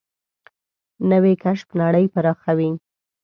نوې کشف نړۍ پراخوي